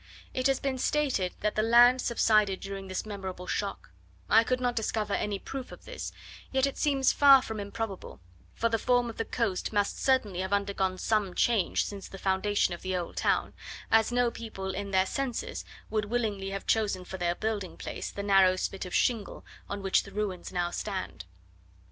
It has been stated that the land subsided during this memorable shock: I could not discover any proof of this; yet it seems far from improbable, for the form of the coast must certainly have undergone some change since the foundation of the old town; as no people in their senses would willingly have chosen for their building place, the narrow spit of shingle on which the ruins now stand.